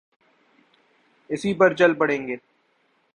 اسی پر چل پڑیں گے۔